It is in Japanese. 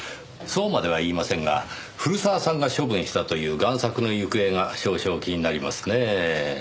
そうまでは言いませんが古澤さんが処分したという贋作の行方が少々気になりますねぇ。